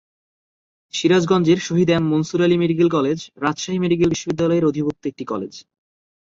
সিরাজগঞ্জের Shaheed M Mansur Ali medical college Rajshahi medical বিশ্ববিদ্যালয়ের অধিভুক্ত একটি কলেজ।